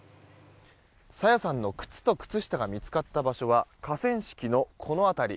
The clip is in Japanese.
朝芽さんの靴と靴下が見つかった場所は河川敷の、この辺り。